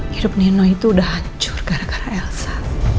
hidup nino itu udah hancur gara gara elsa